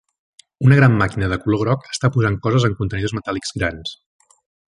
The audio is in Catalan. Una gran màquina de color groc està posant coses en contenidors metàl·lics grans.